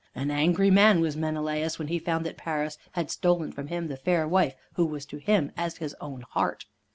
An angry man was Menelaus when he found that Paris had stolen from him the fair wife who was to him as his own heart.